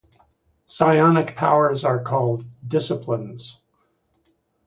Psionic powers are called disciplines.